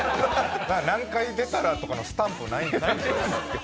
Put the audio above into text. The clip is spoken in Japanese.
何回出たらとかのスタンプないんですか？